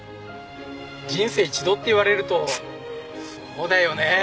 人生一度って言われるとそうだよね